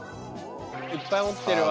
いっぱい持ってるわ。